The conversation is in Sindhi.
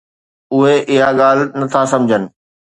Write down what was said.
اُھي اھا ڳالھھ نٿا سمجھن.